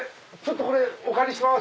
これお借りします。